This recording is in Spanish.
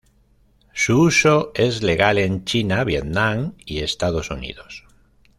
Su uso es legal en China, Vietnam y Estados Unidos.